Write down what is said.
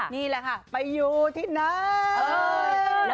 นี่แหละค่ะไปอยู่ที่ไหน